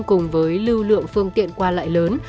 cùng với lưu lượng phương tiện qua lại lớn